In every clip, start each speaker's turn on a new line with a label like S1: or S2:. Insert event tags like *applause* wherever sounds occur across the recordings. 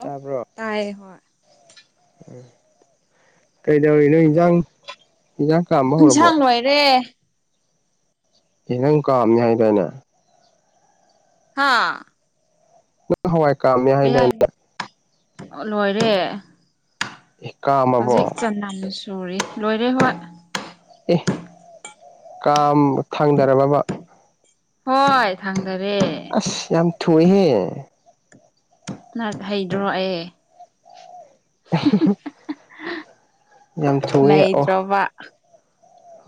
S1: ꯇꯕ꯭ꯔꯣ
S2: ꯇꯥꯏꯌꯦ ꯍꯣꯏ
S1: ꯎꯝ ꯀꯩꯗꯧꯔꯤꯅꯣ ꯏꯟꯖꯥꯡ ꯏꯟꯖꯥꯡ ꯀꯥꯝ
S2: ꯏꯟꯁꯥꯡ ꯂꯣꯏꯔꯦ
S1: ꯏꯟꯖꯥꯡ ꯀꯥꯝꯅꯤ ꯍꯥꯏꯗꯥꯏꯅꯦ
S2: ꯍꯥꯥ
S1: ꯍꯋꯥꯏ ꯀꯥꯝꯅꯤ
S2: ꯀꯩ
S1: ꯍꯥꯏꯗꯥꯏꯅꯦ
S2: ꯍꯥꯏ ꯂꯣꯏꯔꯦ
S1: ꯑꯦ
S2: ꯍꯧꯖꯤꯛ
S1: ꯀꯥꯝꯃꯕꯣ
S2: ꯆꯅꯝ ꯁꯨꯔꯤ ꯂꯣꯏꯔꯦ ꯍꯣꯏ
S1: ꯑꯦ ꯀꯥꯝ ꯊꯥꯡꯗꯔꯕ ꯕꯥ
S2: ꯍꯣꯏ ꯊꯥꯡꯗꯔꯦ
S1: ꯑꯁ ꯌꯥꯝ ꯊꯨꯏꯍꯦ
S2: ꯅꯥꯠ ꯍꯩꯗ꯭ꯔꯣ ꯑꯦ
S1: ꯌꯥꯝ ꯊꯨꯏꯌꯦ ꯑꯣ
S2: ꯋꯥ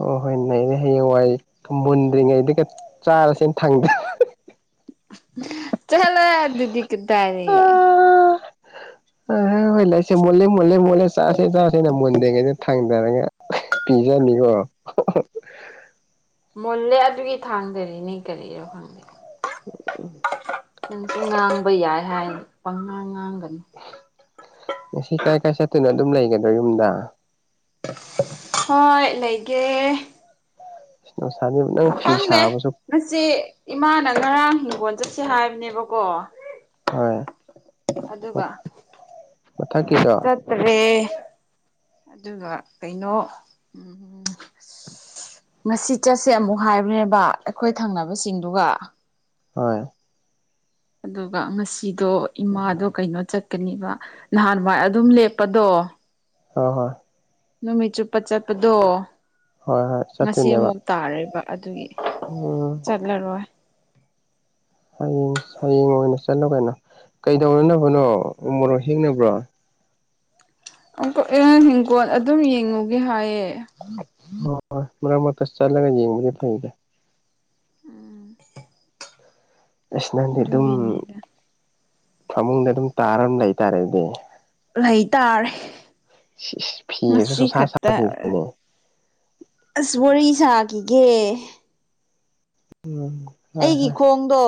S1: ꯑꯣ ꯍꯣꯏ ꯅꯩꯔꯦ ꯍꯌꯦꯡꯋꯥꯏ ꯃꯨꯟꯗ꯭ꯔꯤꯉꯩꯗꯒꯤ ꯆꯥꯔꯁꯦꯅ ꯊꯥꯡꯗ
S2: ꯆꯍꯜꯂꯣꯏ ꯑꯗꯨꯤꯗꯤ ꯀꯗꯥꯏꯗꯒꯤ
S1: ꯑ ꯍ ꯍꯣꯏ ꯂꯩꯁꯦ ꯃꯨꯂꯦ ꯃꯨꯂꯦ ꯃꯨꯂꯦ ꯆꯔꯁꯦ ꯆꯁꯦꯅ ꯃꯨꯟ ꯊꯥꯡꯗꯔꯒ ꯄꯤꯖꯅꯤꯀꯣ
S2: ꯃꯨꯜꯂꯦ ꯑꯗꯨꯒꯤ ꯊꯥꯡꯗꯔꯤꯅꯦ ꯀꯔꯤꯔꯣ ꯈꯪꯗꯦ
S1: ꯎꯝ
S2: ꯅꯪꯁꯨ ꯉꯥꯡꯕ ꯌꯥꯏ ꯍꯥꯏꯅ ꯄꯪꯉꯥꯡ ꯉꯥꯡꯒꯅꯨ
S1: ꯉꯁꯤ ꯀꯥꯏ ꯀꯥꯏ ꯆꯠꯇꯣꯏꯅꯣ ꯑꯗꯨꯝ ꯂꯩꯒꯗ꯭ꯔꯣ ꯌꯨꯝꯗ
S2: ꯍꯣꯏ ꯂꯩꯒꯦ
S1: ꯅꯣꯁꯥꯅꯤ ꯅꯪ ꯐꯤ
S2: ꯈꯪꯗꯦ
S1: ꯁꯥꯕ ꯁꯨ
S2: ꯉꯁꯤ ꯏꯃꯥꯅ ꯉꯔꯥꯡ ꯍꯤꯡꯒꯣꯜ ꯆꯠꯁꯦ ꯍꯥꯏꯕꯅꯦꯕꯀꯣ
S1: ꯍꯣꯏ
S2: ꯑꯗꯨꯒ
S1: ꯃꯊꯛꯀꯤꯗꯣ
S2: ꯆꯠ ꯑꯗꯨꯒ ꯀꯩꯅꯣ ꯎꯝ ꯉꯁꯤ ꯆꯠꯁꯦ ꯑꯃꯨꯛ ꯍꯥꯏꯕꯅꯦꯕ ꯑꯩꯈꯣꯏ ꯊꯪꯅꯕꯁꯤꯡꯗꯨꯒ
S1: ꯍꯣꯏ
S2: ꯑꯗꯨꯒ ꯉꯁꯤꯗꯣ ꯏꯃꯥꯗꯣ ꯀꯩꯅꯣ ꯆꯠꯀꯅꯦꯕ ꯅꯍꯥꯟꯋꯥꯏ ꯑꯗꯨꯝ ꯂꯦꯞꯄꯗꯣ
S1: ꯍ ꯍꯣꯏ
S2: ꯅꯨꯃꯤꯠ ꯆꯨꯞꯄ ꯆꯠꯄꯗꯣ
S1: ꯍꯣꯏ ꯍꯣꯏ
S2: ꯉꯁꯤ
S1: ꯆꯠꯇꯣꯏꯅꯦꯕ
S2: ꯑꯃꯨꯛ ꯇꯥꯔꯦꯕ ꯑꯗꯨꯒꯤ
S1: ꯎꯝ
S2: ꯆꯠꯂꯔꯣꯏ
S1: ꯍꯌꯦꯡ ꯍꯌꯦꯡ ꯑꯣꯏꯅ ꯆꯠꯂꯣ ꯀꯩꯅꯣ ꯀꯩꯗꯧꯅꯅꯕꯅꯣ ꯎ ꯃꯣꯔꯣꯛ ꯍꯦꯛꯅꯕ꯭ꯔꯣ
S2: ꯑꯦ ꯍꯤꯡꯒꯣꯜ ꯑꯗꯨꯝ ꯌꯦꯡꯉꯨꯒꯦ ꯍꯥꯏꯌꯦ
S1: ꯑ ꯍꯣꯏ ꯃꯔꯛ ꯃꯔꯛꯇ ꯆꯠꯂꯒ ꯌꯦꯡꯕꯗꯤ ꯐꯩꯗꯥ
S2: *unintelligible*
S1: ꯑꯁ ꯅꯪꯗꯤ ꯑꯗꯨꯝ
S2: ꯑꯗꯨꯒꯤꯅꯦꯗ
S1: ꯐꯃꯨꯡꯗ ꯑꯗꯨꯝ ꯇꯥꯔ ꯑꯗꯨꯝ ꯂꯩꯇꯥꯔꯦ ꯑꯗꯨꯗꯤ
S2: ꯂꯩꯇꯥꯔꯦ
S1: ꯐꯤꯒꯁꯨ ꯁꯨꯡꯁꯥ
S2: ꯉꯁꯤꯈꯛꯇ
S1: ꯁꯥꯈꯤꯗ꯭ꯔꯦꯅꯦ
S2: ꯑꯁ ꯋꯥꯔꯤ ꯁꯥꯈꯤꯒꯦ
S1: *unintelligible*
S2: ꯑꯩꯒꯤ
S1: ꯍꯣꯏ
S2: ꯈꯣꯡꯗꯣ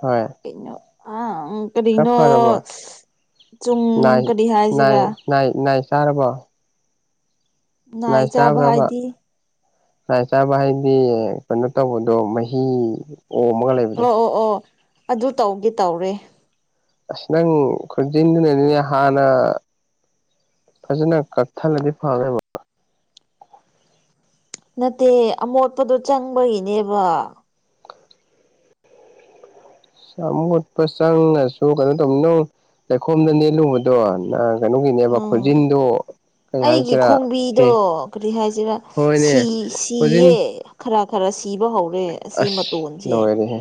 S1: ꯍꯣꯏ
S2: ꯀꯩꯅꯣ ꯑ ꯎꯝ
S1: ꯈꯔ
S2: ꯀꯔꯤꯅꯣ
S1: ꯐꯔꯕꯣ
S2: ꯆꯨꯡ
S1: ꯅꯥꯏ
S2: ꯀꯔꯤ
S1: ꯅꯥꯏ
S2: ꯍꯥꯏꯁꯤꯔꯥ
S1: ꯅꯥꯏ ꯅꯥꯏ ꯆꯥꯔꯕꯣ ꯅꯥꯏ
S2: ꯆꯥꯕ
S1: ꯆꯥꯕ꯭ꯔꯕ
S2: ꯍꯥꯏꯗꯤ
S1: ꯅꯥꯏ ꯆꯥꯕ ꯍꯥꯏꯗꯤ ꯀꯩꯅꯣ ꯇꯧꯕꯗꯣ ꯃꯍꯤ ꯑꯣꯃꯒ ꯂꯩꯕ
S2: ꯑꯣ ꯑꯣ ꯑꯣ ꯑꯗꯨ ꯇꯧꯒꯦ ꯇꯧꯔꯦ
S1: ꯑꯁ ꯅꯪ ꯈꯨꯖꯤꯟꯗꯨꯅꯅꯤꯅꯦ ꯍꯥꯟꯅ ꯐꯖꯅ ꯀꯛꯊꯜꯂꯗꯤ ꯐꯒꯗꯕ
S2: ꯅꯠꯇꯦ ꯑꯃꯣꯠꯄꯗꯣ ꯆꯪꯕꯒꯤꯅꯦꯕ
S1: ꯑꯃꯣꯠꯄ ꯆꯪꯉꯁꯨ ꯀꯩꯅꯣ ꯇꯧꯕꯅꯤ ꯅꯪ ꯂꯩꯈꯣꯝꯗ ꯅꯦꯜꯂꯨꯕꯗꯣ ꯅꯪ ꯀꯩꯅꯣꯒꯤꯅꯦꯕ
S2: ꯎꯝ
S1: ꯈꯨꯖꯤꯟꯗꯣ
S2: ꯑꯩꯒꯤ ꯈꯣꯡꯕꯤꯗꯣ ꯀꯔꯤ ꯍꯥꯏꯁꯤꯔ
S1: ꯍꯣꯏꯅꯦ
S2: ꯁꯤ
S1: ꯈꯣꯟꯖꯤꯟ
S2: ꯁꯤꯌꯦ ꯈꯔ ꯈꯔ ꯁꯤꯕ ꯍꯧꯔꯦ ꯑꯁꯤ
S1: ꯑꯁ
S2: ꯃꯇꯣꯟꯁꯦ
S1: ꯂꯣꯏꯔꯦꯍꯦ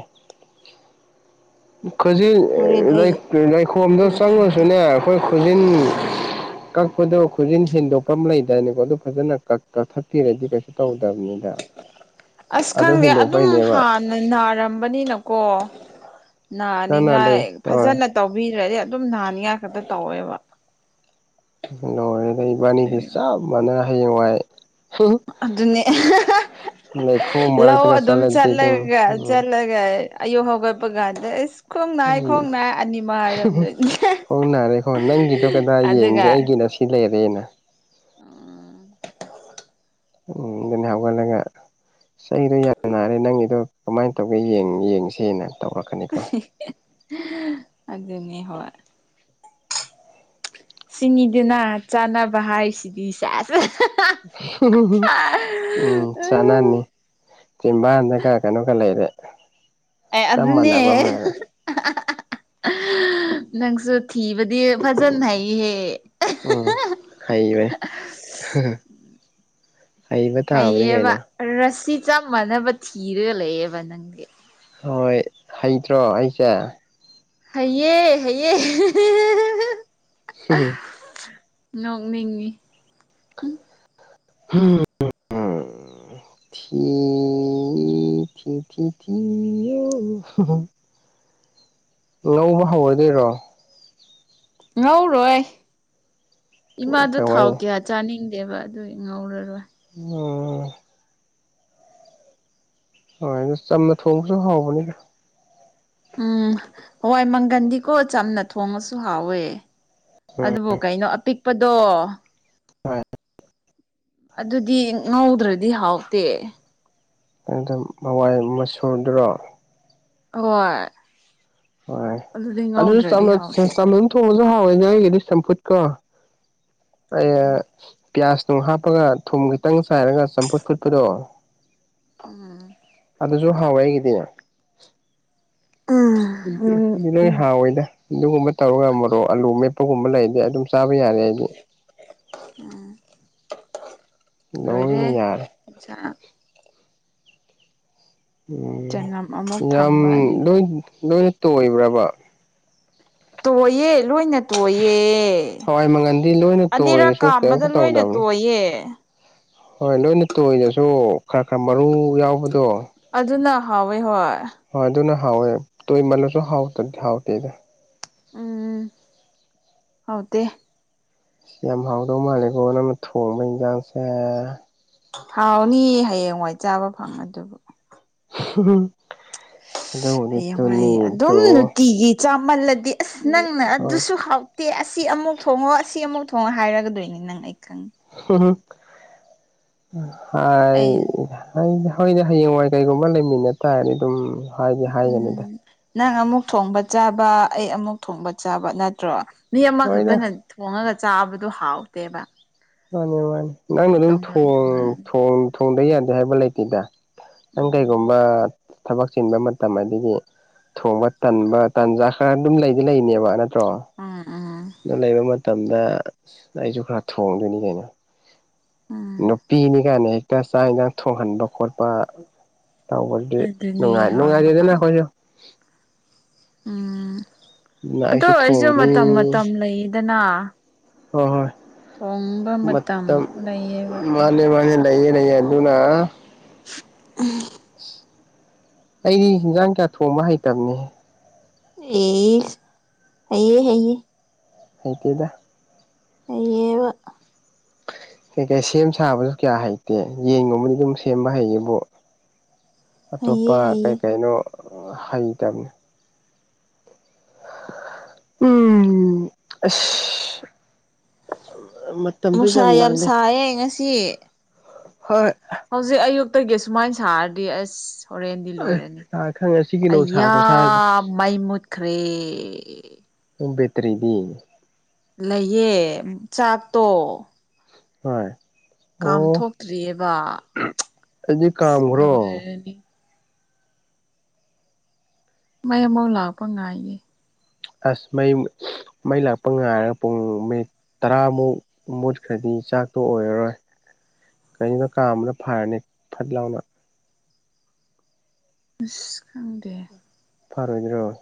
S1: ꯈꯨꯖꯤꯟ
S2: ꯍꯣꯔꯦꯟ ꯑꯩ
S1: ꯂꯩꯈꯣꯝꯗ
S2: ꯎꯒꯦ
S1: ꯆꯪꯂꯉꯁꯨꯅꯦ ꯑꯈꯣꯏ ꯈꯨꯖꯤꯟ ꯀꯛꯄꯗꯣ ꯈꯨꯖꯤꯟ ꯍꯦꯟꯗꯣꯛꯄꯝ ꯂꯩꯗꯥꯏꯅꯦ ꯑꯗꯨ ꯐꯖꯅ ꯀꯛ ꯀꯛꯊꯠꯄꯤꯔꯗꯤ ꯀꯩꯁꯨ ꯇꯧꯗꯕꯅꯤꯗ
S2: ꯑꯁ
S1: ꯑꯗꯨ
S2: ꯈꯪꯗꯦ ꯑꯗꯨꯝ
S1: ꯍꯦꯟꯗꯣꯛꯄꯩꯅꯦꯕ
S2: ꯍꯥꯟꯅ ꯅꯥꯔꯝꯕꯅꯤꯅꯀꯣ
S1: ꯅꯪ ꯅꯍꯥꯟꯗꯩ
S2: ꯅꯥꯅꯤꯡꯉꯥꯏ
S1: ꯍꯣꯏ
S2: ꯐꯖꯅ ꯇꯧꯕꯤꯗ꯭ꯔꯗꯤ ꯑꯗꯨꯝ ꯅꯍꯟꯅꯤꯉꯥꯏ ꯈꯛꯇ ꯇꯧꯋꯦꯕ
S1: ꯂꯣꯢꯔꯦꯗ ꯏꯕꯥꯅꯤꯗꯤ ꯆꯞ ꯃꯥꯟꯅ ꯍꯌꯦꯡ ꯋꯥꯏ
S2: ꯑꯗꯨꯅꯦ
S1: ꯂꯩꯈꯣꯝ
S2: ꯂꯧ
S1: ꯃꯔꯛꯇꯒ
S2: ꯑꯗꯨꯝ
S1: ꯆꯠꯂꯗꯤ ꯑꯗꯨꯝ
S2: ꯆꯠꯂꯒ
S1: ꯎꯝ
S2: ꯆꯠꯂꯒ ꯑꯌꯨꯛ ꯍꯧꯒꯠꯄ ꯀꯥꯟꯗ ꯢꯁ
S1: ꯍꯣꯡꯅꯔꯦꯀꯣ ꯅꯪꯒꯤꯗꯣ ꯀꯗꯥꯏ ꯌꯦꯡꯒꯦ
S2: ꯑꯗꯨꯒ
S1: ꯑꯩꯒꯤꯅ ꯁꯤ ꯁꯤ ꯂꯩꯔꯦꯅ
S2: ꯎꯝ
S1: ꯎꯝ ꯗꯨꯅꯦ ꯍꯧꯒꯠꯂꯒ ꯁꯤ ꯑꯩꯒꯤꯗꯣ ꯌꯥꯝ ꯅꯥꯔꯦ ꯅꯪꯒꯤꯗꯣ ꯀꯃꯥꯏꯟ ꯇꯧꯒꯦ ꯌꯦꯡ ꯌꯦꯡꯁꯦꯅ ꯇꯧꯔꯛꯀꯅꯤꯀꯣ
S2: ꯑꯗꯨꯅꯤ ꯍꯣꯏ ꯁꯤꯅꯤꯗꯅ ꯆꯥꯟꯅꯕ ꯍꯥꯏꯁꯤꯗꯤ ꯁꯦꯁ
S1: ꯎꯝ ꯆꯥꯅꯅꯤ ꯆꯤꯝꯕꯥꯟꯗꯒ ꯀ ꯀꯩꯅꯣꯒ ꯂꯩꯔꯦ
S2: ꯑꯦ
S1: ꯆꯞ
S2: ꯑꯗꯨꯅꯦ
S1: ꯃꯥꯟꯅꯕ ꯑꯃ ꯂꯩꯔꯦ
S2: ꯅꯪꯁꯨ ꯊꯤꯕꯗꯤ ꯐꯖꯟ ꯍꯩꯍꯦ
S1: ꯎꯝ ꯍꯩꯕꯩ
S2: ꯍꯩꯌꯦꯕ
S1: ꯀꯩꯅꯣ
S2: ꯔꯁꯁꯤ ꯆꯞ ꯃꯥꯟꯅꯕ ꯊꯤꯔꯒ ꯂꯩꯌꯦꯕ ꯅꯪꯗꯤ
S1: ꯍꯣꯏ ꯍꯩꯇ꯭ꯔꯣ ꯑꯩꯁꯦ
S2: ꯍꯩꯌꯦ ꯍꯩꯌꯦ ꯅꯣꯛꯅꯤꯡꯉꯤ
S1: ꯍꯝ ꯎ ꯎꯝ ꯎꯝ ꯊꯤ ꯊꯤ ꯊꯤ ꯊꯤ ꯏ ꯏ ꯉꯧꯕ ꯍꯧꯔꯗꯣꯏꯔꯣ
S2: ꯉꯧꯔꯣꯏ ꯏꯃꯥꯗꯨ ꯊꯥꯎ
S1: ꯀꯃꯥꯏꯅ
S2: ꯀ꯭ꯌꯥ ꯆꯥꯅꯤꯡꯗꯦꯕ ꯑꯗꯨꯏ ꯉꯧꯔꯔꯣꯏ
S1: ꯎꯝ ꯍꯣꯏ ꯑꯗꯨ ꯆꯝꯅ ꯊꯣꯡꯕꯁꯨ ꯍꯥꯎꯕꯅꯤꯗ
S2: ꯎꯝ ꯍꯋꯥꯏ ꯃꯪꯒꯟꯗꯤꯀꯣ ꯆꯝꯅ ꯊꯣꯡꯉꯁꯨ ꯍꯥꯎꯋꯦ
S1: ꯎꯝ
S2: ꯑꯗꯨꯕꯨ ꯀꯩꯅꯣ ꯑꯄꯤꯛꯄꯗꯣ
S1: ꯍꯣꯏ
S2: ꯑꯗꯨꯗꯤ ꯉꯧꯗ꯭ꯔꯗꯤ ꯍꯥꯎꯇꯦ
S1: ꯑꯗꯨꯝ ꯍꯋꯥꯏ ꯃꯁꯨꯔꯗꯨꯔꯣ
S2: ꯑꯍꯣꯏ
S1: ꯍꯣꯏ ꯑꯗꯨꯁꯨ ꯆꯝꯅ ꯆ
S2: ꯍꯥꯎꯇꯦ
S1: ꯆꯝꯅꯗꯨꯝ ꯊꯣꯡꯉꯁꯨ ꯍꯥꯎꯋꯦ ꯅꯣꯏꯒꯤꯗꯤ ꯆꯝꯐꯨꯠꯀ ꯑꯩꯌꯦ
S2: ꯎꯝ
S1: ꯄꯤꯌꯥꯖꯅꯨꯡ ꯍꯥꯞꯄꯒ ꯊꯨꯝ ꯈꯤꯇꯪ ꯆꯥꯏꯔꯒ ꯆꯝꯐꯨꯠ ꯐꯨꯠꯄꯗꯣ
S2: ꯎꯝ
S1: ꯑꯗꯨꯁꯨ ꯍꯥꯎꯋꯦ ꯑꯩꯒꯤꯗꯤ ꯎꯝ ꯂꯣꯏ ꯍꯥꯎꯋꯤꯗ ꯑꯗꯨꯒꯨꯝꯕ ꯇꯧꯔꯒ ꯃꯔꯣꯛ ꯑꯂꯨ ꯃꯦꯠꯄꯒꯨꯝꯕ ꯂꯩꯔꯗꯤ ꯑꯗꯨꯝ ꯆꯥꯕ ꯌꯥꯔꯦ ꯑꯩꯗꯤ
S2: ꯑꯥ ꯎꯝ ꯂꯣꯏꯔꯦ
S1: ꯂꯣꯏꯅ ꯌꯥꯔꯦ
S2: ꯏꯟꯁꯥꯡ
S1: ꯎꯝ
S2: ꯆꯅꯝ ꯑꯃꯨꯛ
S1: ꯉꯝ
S2: ꯊꯝꯕ ꯑꯗꯨꯒꯤ
S1: ꯂꯣꯏꯟ ꯂꯣꯏꯅ ꯇꯣꯏꯕ꯭ꯔꯥꯕ
S2: ꯇꯣꯏꯌꯦ ꯂꯣꯏꯅ ꯇꯣꯏꯌꯦ
S1: ꯍꯋꯥꯏ ꯃꯪꯒꯟꯗꯤ ꯂꯣꯏꯅ
S2: ꯑꯅꯤꯔꯛ
S1: ꯇꯣꯏꯔꯁꯨ
S2: ꯀꯥꯝꯕꯗ
S1: ꯀꯔꯤꯝ
S2: ꯂꯣꯏꯅ
S1: ꯇꯧꯗꯕꯅꯤ
S2: ꯇꯣꯏꯌꯦ
S1: ꯍꯣꯏ ꯂꯣꯏꯅ ꯇꯣꯏꯔꯁꯨ ꯈꯔ ꯈꯔ ꯃꯔꯨ ꯌꯥꯎꯕꯗꯣ
S2: ꯑꯗꯨꯅ ꯍꯥꯎꯋꯦ ꯍꯣꯏ
S1: ꯍꯣꯏ ꯑꯗꯨꯅ ꯍꯥꯎꯋꯦ ꯇꯣꯏꯃꯜꯂꯁꯨ ꯍꯥꯎꯇ꯭ꯔꯗꯤ ꯍꯥꯎꯇꯦꯗ
S2: ꯎꯝ ꯍꯥꯎꯇꯦ
S1: ꯌꯥꯝ ꯍꯥꯎꯗꯧ ꯃꯥꯜꯂꯦꯀꯣ ꯅꯪꯅ ꯊꯣꯡꯕ ꯏꯟꯖꯥꯡꯁꯦ
S2: ꯍꯥꯎꯅꯤ ꯍꯌꯦꯡꯋꯥꯏ ꯆꯥꯕ ꯐꯪꯉ ꯗꯨꯕꯨ
S1: ꯍꯍꯨꯝ
S2: ꯍꯌꯦꯡꯋꯥꯏ ꯑꯗꯨꯝ
S1: ꯇꯨ
S2: ꯅꯨꯇꯤꯒꯤ ꯆꯥꯃꯜꯂꯗꯤ ꯑꯁ ꯅꯪꯅ
S1: ꯍꯣꯏ
S2: ꯑꯗꯨꯁꯨ ꯍꯥꯎ ꯇꯦ ꯑꯁꯤ ꯑꯃꯨꯛ ꯊꯣꯡꯉꯣ ꯑꯁꯤ ꯑꯃꯨꯛ ꯊꯣꯡꯉꯣ ꯍꯥꯏꯔꯀꯗꯣꯏꯅꯦ ꯅꯪ ꯑꯩ ꯈꯪ
S1: ꯍꯨꯝ ꯍꯨꯝ ꯎꯝ ꯍꯥꯏ
S2: ꯑꯩ
S1: ꯍꯥꯏꯗꯤ ꯍꯣꯏꯗ ꯍꯌꯦꯡꯋꯥꯏ ꯀꯩꯒꯨꯝꯕ ꯂꯩꯃꯤꯟꯅ ꯇꯥꯔꯗꯤ ꯑꯗꯨꯝ ꯍꯥꯏꯗꯤ
S2: ꯎꯝ
S1: ꯍꯥꯏꯒꯅꯤꯗ
S2: ꯅꯪ ꯑꯃꯨꯛ ꯊꯣꯡꯕ ꯆꯥꯕ ꯑꯩ ꯑꯃꯨꯛ ꯊꯣꯡꯕ ꯆꯥꯕ ꯅꯠꯇ꯭ꯔꯣ ꯃꯤ
S1: ꯍꯣꯏꯗ
S2: ꯑꯃꯈꯛꯇꯅ ꯊꯣꯡꯉꯒ ꯆꯥꯕꯗꯨ ꯍꯥꯎꯇꯦꯕ
S1: ꯃꯥꯅꯦ ꯃꯥꯅꯦ
S2: ꯎꯝ
S1: ꯅꯪꯅ ꯑꯗꯨꯝ
S2: ꯇꯣꯉꯥꯟ
S1: ꯊꯣꯡ
S2: ꯇꯣꯉꯥꯟ
S1: ꯊꯣꯡ ꯊꯣꯡꯗ ꯌꯥꯗꯦ ꯍꯥꯏꯕ ꯂꯩꯇꯦꯗ ꯅꯪ
S2: ꯎꯝ
S1: ꯀꯩꯒꯨꯝꯕ ꯊꯕꯛ ꯆꯤꯟꯕ ꯃꯇꯝ ꯑꯗꯒꯤ ꯊꯣꯡꯕ ꯇꯟꯕ ꯇꯟꯖꯥ ꯈꯔ ꯑꯗꯨꯝ ꯂꯩꯗꯤ ꯂꯩꯔꯤꯅꯦꯕ ꯅꯠꯇ꯭ꯔꯣ
S2: ꯎꯝ ꯎꯝ
S1: ꯑꯗꯨ ꯂꯩꯕ ꯃꯇꯝꯗ ꯑꯁ ꯑꯩꯖꯨ ꯈꯔ ꯊꯣꯡꯗꯣꯏꯅꯤ ꯀꯩꯅꯣ
S2: ꯎꯝ
S1: ꯅꯨꯄꯤꯅꯤ ꯒꯅꯩꯍꯦ ꯀꯥꯏ ꯆꯥꯛ ꯍꯤꯟꯖꯥꯡ ꯊꯣꯡꯍꯟꯕ ꯈꯣꯠꯄ ꯇꯧꯕꯒꯤ
S2: ꯑꯗꯨꯅꯦ
S1: ꯅꯨꯡꯉꯥꯏ
S2: ꯍꯣꯏ ꯍꯣꯏ
S1: ꯅꯨꯡꯉꯥꯏꯔꯦꯗꯅ ꯑꯩꯈꯣꯏꯁꯨ
S2: ꯎꯝ
S1: ꯑꯗꯨꯅ
S2: ꯑꯗꯣ
S1: ꯑꯩꯁꯨ
S2: ꯑꯣꯏꯁꯨ
S1: ꯊꯣꯡꯅꯤ
S2: ꯃꯇꯝ ꯃꯇꯝ ꯂꯩꯌꯦꯗꯅ
S1: ꯑꯣ ꯍꯣꯏ ꯃꯇꯝ ꯎꯝ ꯃꯥꯅꯦ ꯃꯥꯅꯦ ꯅꯩꯌꯦ ꯅꯩꯌꯦ ꯑꯗꯨꯅ
S2: ꯎꯝ
S1: ꯑꯩꯗꯤ ꯍꯤꯟꯖꯥꯡ ꯀꯌꯥ ꯊꯣꯡꯕ ꯍꯩꯇꯕꯅꯤꯍꯦ
S2: ꯏꯁ ꯍꯩꯌꯦ ꯍꯩꯌꯦ
S1: ꯍꯩꯇꯦꯗꯥ
S2: ꯍꯩꯌꯦ *unintelligible*
S1: ꯀꯩ ꯀꯩ ꯁꯦꯝ ꯁꯥꯕꯖꯨ ꯀꯌꯥ ꯍꯩꯇꯦ ꯌꯦꯟꯒꯨꯝꯕꯗꯤ ꯑꯗꯨꯝ ꯁꯦꯝꯕ ꯍꯩꯌꯦꯕꯨ
S2: ꯍꯩꯌꯦ
S1: ꯑꯇꯣꯞꯄ
S2: ꯍꯩꯌꯦ
S1: ꯀꯩ ꯀꯩꯅꯣ ꯑ ꯍꯩꯇꯕꯅꯦ ꯎꯝ ꯑꯁ ꯃꯇꯝꯗꯣ
S2: ꯅꯨꯡꯁꯥ ꯌꯥꯝ
S1: ꯂꯥꯡꯅꯩ
S2: ꯁꯥꯏꯌꯦ ꯉꯁꯤ
S1: ꯍꯣꯏ
S2: ꯍꯧꯖꯤꯛ ꯑꯌꯨꯛꯇꯒꯤ ꯁꯨꯃꯥꯏ ꯁꯥꯔꯗꯤ ꯑꯁ ꯍꯣꯔꯦꯟꯗꯤ ꯂꯣꯏꯔꯅꯤ
S1: ꯑꯩ ꯈꯪ ꯉꯁꯤꯒꯤ ꯅꯨꯡꯁꯥ
S2: ꯑꯩꯌꯥ
S1: ꯈꯨꯁꯥꯁꯦ
S2: ꯃꯩ ꯃꯨꯠꯈ꯭ꯔꯦ
S1: ꯅꯪ ꯕꯦꯇ꯭ꯔꯤꯗꯤ
S2: ꯂꯩꯌꯦ ꯆꯥꯛꯇꯣ
S1: ꯍꯣꯏ ꯑꯣ
S2: ꯀꯥꯝꯊꯣꯛꯇ꯭ꯔꯤꯑꯕ
S1: ꯑꯩꯗꯤ
S2: ꯑꯁ
S1: ꯀꯥꯝꯒ꯭ꯔꯣ
S2: ꯂꯣꯏꯔꯅꯤ ꯃꯩ ꯑꯃꯨꯛ ꯂꯥꯛꯄ ꯉꯥꯏꯒꯦ
S1: ꯑꯁ ꯃꯩ ꯃꯩ ꯂꯥꯛꯄ ꯉꯥꯏꯔꯒ ꯄꯨꯡ ꯃꯤ ꯇꯔꯥꯃꯨꯛ ꯃꯨꯠꯈ꯭ꯔꯗꯤ ꯆꯥꯛꯇꯣ ꯑꯣꯏꯔꯔꯣꯏ ꯀꯩꯅꯣ ꯀꯥꯝꯕꯅ ꯐꯥꯔꯅꯤ ꯐꯠ ꯂꯥꯎꯅ
S2: ꯏꯁ ꯈꯪꯗꯦ
S1: ꯐꯔꯣꯏꯗ꯭ꯔꯣ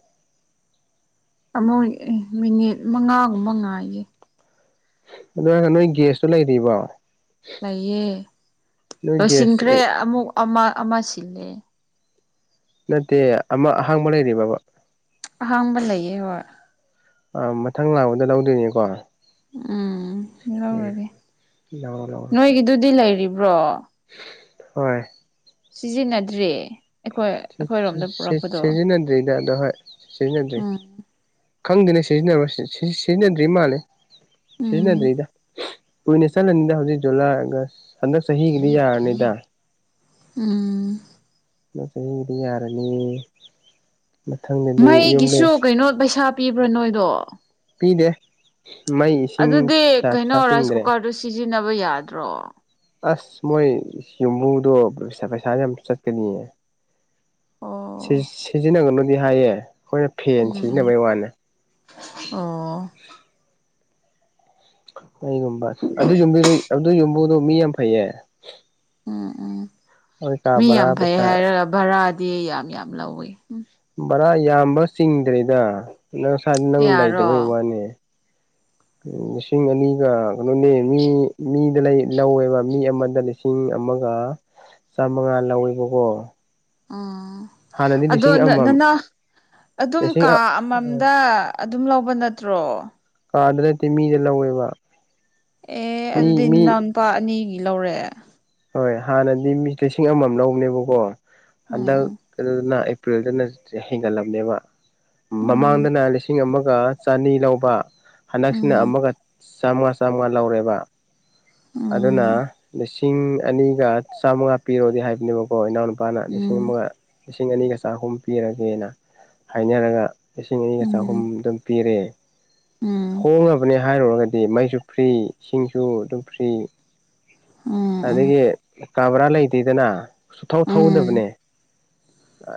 S2: ꯑꯃꯨꯛ ꯑꯦ ꯃꯤꯅꯤꯠ ꯃꯉꯥꯒꯨꯝꯕ ꯉꯥꯏꯒꯦ
S1: ꯑꯗꯨ ꯍꯥꯏꯔꯒ ꯅꯣꯏ ꯒꯦꯁꯇꯣ ꯂꯩꯔꯤꯕꯣ
S2: ꯂꯩꯌꯦ
S1: ꯅꯣꯏ
S2: ꯂꯣꯏꯁꯤꯟꯈ꯭ꯔꯦ
S1: ꯒ꯭ꯌꯥꯁ
S2: ꯑꯃꯨꯛ ꯑꯃ ꯑꯃ ꯁꯤꯜꯂꯦ
S1: ꯅꯠꯇꯦ ꯑꯃ ꯑꯍꯥꯡꯕ ꯂꯩꯔꯤꯕ꯭ꯔꯥꯕꯥ
S2: ꯑꯍꯥꯡꯕ ꯂꯩꯌꯦ ꯍꯣꯏ
S1: ꯑꯥ ꯃꯊꯪ ꯂꯥꯎꯗ ꯂꯧꯗꯣꯏꯅꯦꯀꯣ
S2: ꯎꯝ
S1: ꯎꯝ
S2: ꯂꯧꯔꯒꯦ
S1: ꯂꯧꯔꯣ ꯂꯧꯔꯣ
S2: ꯅꯣꯏꯒꯤꯗꯨꯗꯤ ꯂꯩꯔꯤꯕ꯭ꯔꯣ
S1: ꯍꯣꯏ
S2: ꯁꯤꯖꯤꯟꯅꯗ꯭ꯔꯤ ꯑꯩꯈꯣꯏ
S1: ꯁꯤ ꯁꯤ
S2: ꯑꯩꯈꯣꯏꯔꯣꯝꯗ
S1: ꯁꯤ
S2: ꯄꯨꯔꯛꯄꯗꯣ
S1: ꯁꯤꯖꯤꯟꯅꯗ꯭ꯔꯤꯗ ꯑꯗꯣ ꯍꯣꯏ ꯁꯤꯖꯤꯟꯅꯗ꯭ꯔꯤ
S2: ꯎꯝ
S1: ꯈꯪꯗꯦꯅ ꯁꯤꯖꯤꯟꯅꯕ꯭ꯔꯥ ꯁꯤ ꯁꯤ ꯁꯤꯖꯤꯟꯅꯗ꯭ꯔꯤ ꯃꯥꯜꯂꯦ
S2: ꯎꯝ
S1: ꯁꯤꯖꯤꯟꯅꯗ꯭ꯔꯤꯗꯥ ꯀꯨꯏꯅ ꯆꯠꯂꯅꯤꯗ ꯍꯧꯖꯤꯛ ꯖꯨꯂꯥꯏ ꯑꯥꯒꯁ ꯍꯟꯗꯛ ꯆꯍꯤꯒꯤꯗꯤ ꯌꯥꯔꯅꯤꯗ
S2: ꯎꯝ
S1: ꯂꯣꯇꯔꯤꯒꯤꯗꯤ ꯌꯥꯔꯅꯤ ꯃꯊꯪꯗ
S2: ꯃꯩꯒꯤꯁꯨ ꯀꯩꯅꯣ ꯄꯩꯁꯥ ꯄꯤꯕ꯭ꯔꯥ ꯅꯣꯏꯗꯣ
S1: ꯄꯤꯗꯦ ꯃꯩ ꯏꯁꯤꯡ ꯄꯩꯁꯥ ꯄꯩꯁꯥ ꯇꯤꯡꯗ꯭ꯔꯦ
S2: ꯑꯗꯨ ꯁꯤꯖꯤꯟꯅꯕ ꯌꯥꯗ꯭ꯔꯣ
S1: ꯑꯁ ꯃꯣꯏ ꯌꯨꯝꯕꯨꯗꯣ *unintelligible* ꯄꯩꯁꯥ ꯌꯥꯝ ꯆꯠꯀꯅꯤꯌꯦ ꯁꯤ
S2: ꯑꯣ
S1: ꯁꯤꯖꯤꯟꯅꯒꯅꯨꯗꯤ ꯍꯥꯏꯌꯦ ꯑꯈꯣꯏ
S2: *unintelligible* ꯑꯣ
S1: ꯃꯩꯒꯨꯝꯕ ꯑꯗꯨ ꯌꯨꯝꯕꯨ ꯑꯗꯨ ꯌꯨꯝꯕꯨꯗꯣ ꯃꯤ ꯌꯥꯝ ꯐꯩꯌꯦ
S2: ꯎꯝ ꯎꯝ
S1: ꯍꯣꯏ
S2: ꯃꯤ
S1: ꯀꯥꯕꯔꯥ
S2: ꯌꯥꯝ ꯐꯩ
S1: ꯄꯩꯁꯥ
S2: ꯍꯥꯏꯔꯒ ꯚꯔꯥꯗꯤ ꯌꯥꯝ ꯌꯥꯝ ꯂꯧꯋꯤ
S1: ꯚꯔꯥ ꯌꯥꯝꯕ ꯆꯤꯡꯗ꯭ꯔꯤꯗ ꯅꯪ *unintelligible* ꯅꯪ ꯂꯩꯇꯕꯩ
S2: ꯌꯥꯔꯣ
S1: ꯋꯥꯅꯤ ꯂꯤꯁꯤꯡ ꯑꯅꯤꯒ ꯀꯩꯅꯣꯅꯦ ꯃꯤ ꯃꯤꯗ ꯂꯩ ꯂꯧꯋꯦꯕ ꯃꯤ ꯑꯃꯗ ꯂꯤꯁꯤꯡ ꯑꯃꯒ ꯆꯥꯃꯉꯥ ꯂꯧꯋꯦꯕꯀꯣ
S2: ꯎꯝ
S1: ꯍꯥꯟꯅꯗꯤ
S2: ꯑꯗꯣ
S1: ꯂꯤꯁꯤꯡ ꯑꯃꯃꯝ
S2: ꯅꯅꯥ ꯑꯗꯨꯝ
S1: ꯂꯤꯁꯤꯡ
S2: ꯀꯥ ꯑꯃꯃꯝꯗ ꯑꯗꯨꯝ ꯂꯧꯕ ꯅꯠꯇ꯭ꯔꯣ
S1: ꯀꯥꯗ ꯅꯠꯇꯦ ꯃꯤꯗ ꯂꯧꯋꯦꯕ
S2: ꯑꯦ
S1: ꯃꯤ
S2: ꯑꯗꯨꯗꯤ
S1: ꯃꯤ
S2: ꯅꯅꯥꯎ ꯅꯨꯄꯥ ꯑꯅꯤꯒꯤ ꯂꯧꯔꯦ
S1: ꯍꯣꯏ ꯍꯥꯟꯅꯗꯤ ꯃꯤ ꯂꯤꯁꯤꯡ ꯑꯃꯃꯝ ꯂꯧꯕꯅꯦꯕꯀꯣ ꯍꯟꯗꯛ
S2: ꯎꯝ
S1: ꯀꯩꯅꯣꯗꯅ ꯑꯦꯄ꯭ꯔꯤꯜꯗꯅ ꯍꯦꯟꯒꯠꯂꯕꯅꯦꯕ ꯃꯃꯥꯡꯗꯅ ꯂꯤꯁꯤꯡ ꯑꯃꯒ ꯆꯅꯤ ꯂꯧꯕ ꯍꯟꯗꯛꯁꯤꯅ
S2: ꯎꯝ
S1: ꯑꯃꯒ ꯆꯥꯝ ꯃꯉꯥ ꯆꯥꯝ ꯃꯉꯥ ꯂꯧꯔꯦꯕ ꯑꯗꯨꯅ
S2: ꯎꯝ
S1: ꯂꯤꯁꯤꯡ ꯑꯅꯤꯒ ꯆꯥꯝꯃꯉꯥ ꯄꯤꯔꯣꯗꯤ ꯍꯥꯏꯕꯅꯦꯕꯀꯣ ꯏꯅꯥꯎꯅꯨꯄꯥꯅ ꯂꯤꯁꯤꯡ
S2: ꯎꯝ
S1: ꯑꯃꯒ ꯂꯤꯁꯤꯡ ꯑꯅꯤꯒ ꯆꯥꯍꯨꯝ ꯄꯤꯔꯒꯦꯅ ꯍꯥꯏꯅꯔꯒ ꯂꯤꯁꯤꯡ ꯑꯅꯤꯒ ꯆꯍꯨꯝ
S2: ꯎꯝ
S1: ꯑꯗꯨꯝ ꯄꯤꯔꯦ
S2: ꯎꯝ
S1: ꯍꯣꯡꯉꯕꯅꯦ ꯍꯥꯏꯔꯨꯔꯒꯗꯤ ꯃꯩꯁꯨ ꯐ꯭ꯔꯤ ꯏꯁꯤꯡꯁꯨ ꯑꯗꯨꯝ ꯐ꯭ꯔꯤ
S2: ꯎꯝ ꯎꯝ
S1: ꯑꯗꯒꯤ ꯀꯥ ꯕꯔꯥ ꯂꯩꯇꯦꯗꯅ ꯁꯨꯊꯧ
S2: ꯎꯝ
S1: ꯊꯧꯗꯕꯅꯦ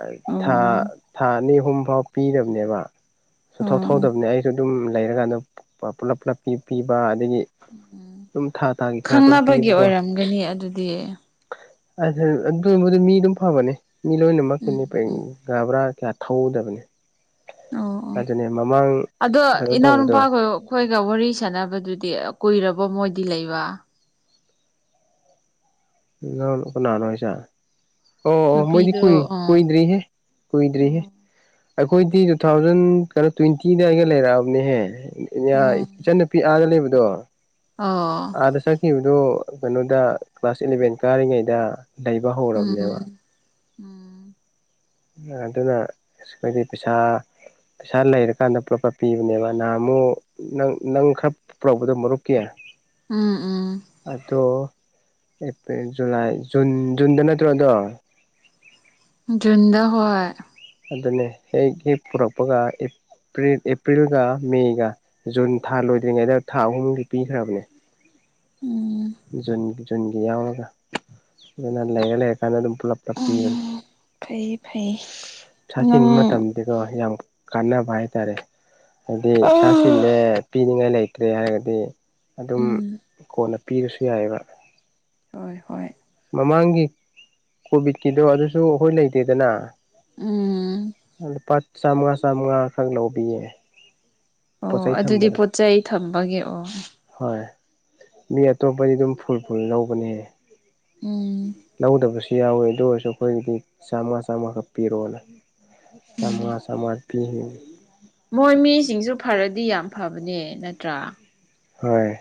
S1: *unintelligible* ꯊꯥ
S2: ꯑꯣ
S1: ꯊꯥ ꯑꯅꯤ ꯑꯍꯨꯝꯐꯥꯎ ꯄꯤꯗꯕꯅꯦꯕ ꯁꯨꯊꯧ
S2: ꯑꯣ
S1: ꯊꯧꯗꯕꯅꯦ ꯑꯩꯁꯨ ꯑꯗꯨꯝ ꯂꯩꯔꯒꯥꯟꯗ ꯄꯨꯂꯞ ꯄꯨꯂꯞ ꯄꯤ ꯄꯤꯕ ꯑꯗꯒꯤ ꯗꯨꯝ ꯊꯥ ꯊꯥꯒꯤ ꯈꯔ ꯑꯗꯨꯝ ꯄꯤꯌꯦꯕꯀꯣ
S2: *unintelligible* ꯒꯅꯤ ꯑꯗꯨꯗꯤ
S1: ꯑꯗꯨ ꯑꯗꯨꯕꯨꯗꯤ ꯃꯤ ꯑꯗꯨꯝ ꯐꯕꯅꯦ ꯃꯤ ꯂꯣꯏꯅꯃꯛ ꯀꯤꯅꯦ
S2: ꯎꯝ
S1: *unintelligible* ꯀꯥ ꯕ꯭ꯔꯥ ꯀ꯭ꯌꯥ ꯊꯧꯗꯕꯅꯦ
S2: ꯑꯣ ꯑꯣ
S1: ꯑꯗꯨꯅꯦ ꯃꯃꯥꯡ
S2: ꯑꯗꯣ
S1: ꯀꯩꯅꯣ ꯇꯧꯅꯗ꯭ꯔꯣ
S2: ꯏꯅꯥꯎꯅꯨꯄꯥꯒ ꯑꯩꯈꯣꯏꯒ ꯋꯥꯔꯤ ꯁꯥꯟꯅꯕꯗꯨꯗꯤ ꯀꯨꯏꯔꯕ ꯃꯣꯏꯗꯤ ꯂꯩꯕ
S1: *unintelligible* ꯀꯅꯥꯅꯣ ꯍꯥꯏꯁꯦ ꯑꯣ ꯑꯣ ꯃꯣꯏꯗꯤ
S2: ꯅꯨꯄꯤꯗꯣ
S1: ꯀꯨꯏ
S2: ꯑ
S1: ꯀꯨꯏꯗ꯭ꯔꯤꯍꯦ ꯀꯨꯏꯗ꯭ꯔꯤꯍꯦ ꯑꯩꯈꯣꯏꯗꯤ ꯇꯨ ꯊꯥꯎꯖꯟ ꯀꯩꯅꯣ ꯇ꯭ꯋꯦꯟꯇꯤꯗ ꯑꯩꯒ ꯂꯩꯔꯛꯑꯕꯅꯤꯍꯦ *unintelligible*
S2: ꯎꯝ
S1: ꯏꯆꯟꯟꯅꯨꯄꯤ ꯑꯥꯗ ꯂꯩꯕꯗꯣ
S2: ꯑꯣ
S1: ꯑꯥꯗ ꯆꯛꯈꯤꯕꯗꯨ ꯀꯩꯅꯣꯗ ꯀ꯭ꯂꯥꯁ ꯏꯂꯚꯦꯟ ꯀꯥꯔꯤꯉꯩꯗ ꯂꯩꯕ ꯍꯧꯔꯕꯅꯦꯕ
S2: ꯎꯝ ꯎꯝ *unintelligible*
S1: ꯑ ꯢꯑꯗꯨꯒ ꯑꯩꯈꯣꯏꯗꯤ ꯄꯩꯁꯥ ꯄꯩꯁꯥ ꯂꯩꯔꯀꯥꯟꯗ ꯄꯨꯂꯞꯡꯎꯨꯒꯄꯤꯕꯅꯦꯕ ꯅꯍꯥꯟꯃꯨ ꯅꯪ ꯅꯪ ꯈꯔ ꯄꯨꯔꯛꯕꯗꯣ ꯃꯔꯨꯞꯀꯤ
S2: ꯎꯝ ꯎꯝ
S1: ꯑꯗꯣ ꯑꯦꯄ꯭ꯔꯤꯜ ꯖꯨꯂꯥꯏ ꯖꯨꯟ ꯖꯨꯟꯗ ꯅꯠꯇ꯭ꯔꯣ ꯑꯗꯣ
S2: ꯖꯨꯟꯗ ꯍꯣꯏ
S1: ꯑꯗꯨꯅꯦ ꯍꯦꯛ ꯍꯦꯛ ꯄꯨꯔꯛꯄꯒ ꯄꯔꯤ ꯑꯦꯄ꯭ꯔꯤꯜꯒ ꯃꯦꯒ ꯖꯨꯟ ꯊꯥ ꯂꯣꯏꯗ꯭ꯔꯤꯉꯩꯗ ꯊꯥ ꯑꯍꯨꯝꯒꯤ ꯄꯤꯈ꯭ꯔꯕꯅꯦ
S2: ꯎꯝ
S1: ꯖꯨꯟꯒꯤ ꯖꯨꯟꯒꯤ ꯌꯥꯎꯔꯒ ꯑꯗꯨꯅ ꯂꯩꯔ ꯂꯩꯔꯀꯥꯟꯗ ꯑꯗꯨꯝ ꯄꯨꯂꯞ ꯄꯨꯂꯞ ꯄꯤꯒꯅꯤ
S2: ꯎꯝ ꯐꯩꯌꯦ ꯐꯩꯌꯦ
S1: ꯄꯩꯁꯥ ꯆꯤꯟꯕ ꯃꯇꯝꯗꯤꯀꯣ ꯌꯥꯝ ꯀꯥꯟꯅꯕ ꯍꯥꯏꯇꯥꯔꯦ ꯍꯥꯏꯗꯤ ꯄꯩꯁꯥ
S2: ꯎꯝ
S1: ꯆꯤꯜꯂꯦ ꯄꯤꯅꯤꯡꯉꯥꯏ ꯂꯩꯇ꯭ꯔꯦ ꯍꯥꯏꯔꯒꯗꯤ ꯑꯗꯨꯝ ꯀꯣꯟꯅ ꯄꯤꯔꯁꯨ ꯌꯥꯏꯕ
S2: ꯍꯣꯏ ꯍꯣꯏ
S1: ꯃꯃꯥꯡꯒꯤ ꯀꯣꯚꯤꯠꯀꯤꯗꯣ ꯑꯗꯨꯁꯨ ꯑꯈꯣꯏ ꯂꯩꯇꯦꯗꯅ
S2: ꯎꯝ
S1: ꯑꯥ ꯂꯨꯄꯥ ꯆꯥꯃꯉꯥ ꯆꯥꯃꯉꯥ ꯈꯛ ꯂꯧꯕꯤꯌꯦ
S2: ꯑꯣ
S1: ꯄꯣꯠꯆꯩ
S2: ꯑꯗꯨꯗꯤ
S1: ꯊꯝꯕꯗꯣ
S2: ꯄꯣꯠ ꯆꯩ ꯊꯝꯕꯒꯤ ꯑꯣ
S1: ꯍꯣꯏ ꯃꯤ ꯑꯇꯣꯞꯄꯗꯤ ꯗꯨꯝ ꯐꯨꯜ ꯐꯨꯜ ꯂꯧꯕꯅꯦ
S2: ꯎꯝ
S1: ꯂꯧꯗꯕꯁꯨ ꯌꯥꯎꯋꯤ ꯑꯗꯨ ꯑꯣꯏꯔꯁꯨ ꯈꯣꯏꯒꯤꯗꯤ ꯆꯥꯝꯉꯥ ꯆꯥꯝꯃꯥ ꯈꯛ ꯄꯤꯔꯣꯅ ꯆꯥꯃꯉꯥ ꯆꯥꯃꯉꯥ ꯄꯤꯔꯛꯑꯦ
S2: ꯃꯣꯏ ꯃꯤꯁꯤꯡꯖꯨ ꯐꯔꯗꯤ ꯌꯥꯝ ꯐꯕꯅꯦ ꯅꯠꯇ꯭ꯔꯥ
S1: ꯍꯣꯏ